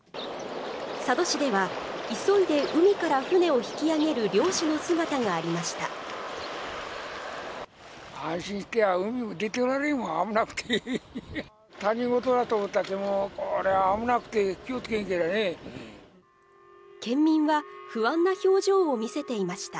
佐渡市では急いで海から船を引き上げる漁師の姿がありました。